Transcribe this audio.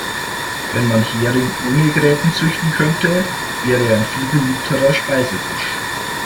Wenn man Hering ohne Gräten züchten könnte, wäre er ein viel beliebterer Speisefisch.